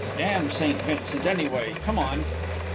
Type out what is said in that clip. "Damn St. Vincent, anyway! Come on!"